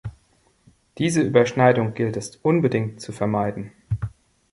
Diese Überschneidung gilt es unbedingt zu vermeiden.